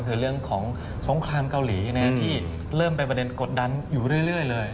คือเรื่องของสงครามเกาหลีที่เริ่มเป็นประเด็นกดดันอยู่เรื่อยเลย